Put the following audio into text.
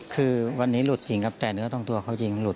คือวันนี้หลุดจริงครับแต่นึกว่าตรงทั่วเขาจริงหลุด